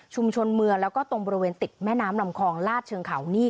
เมืองแล้วก็ตรงบริเวณติดแม่น้ำลำคองลาดเชิงเขานี่